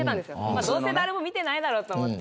まあどうせ誰も見てないだろうと思って。